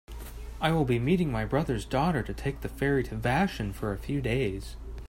I will be meeting my brother's daughter to take the ferry to Vashon for a few days.